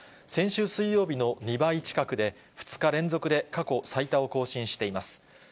先週水曜日の２倍近くで、２日連続で過去最多を更新しています。